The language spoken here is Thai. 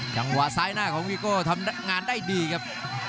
จังหวะซ้ายหน้าของวีโก้ทำงานได้ดีครับ